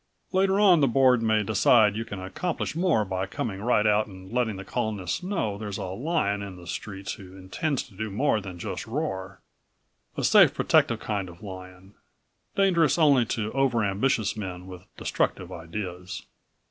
Later on the Board may decide you can accomplish more by coming right out and letting the colonists know there's a lion in the streets who intends to do more than just roar. A safe, protective kind of lion dangerous only to over ambitious men with destructive ideas."